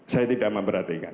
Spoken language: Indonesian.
saya tidak memperhatikan